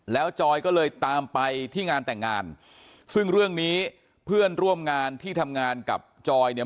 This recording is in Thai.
แล้วจอยก็เลยตามไปที่งานแต่งงานซึ่งเรื่องนี้เพื่อนร่วมงานที่ทำงานกับจอยเนี่ย